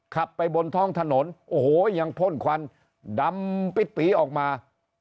ขับไปบนท้องถนนโอ้โหยังพ่นควันดำปิดปีออกมา